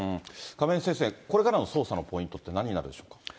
亀井先生、これからの捜査のポイントってなんになるでしょうか。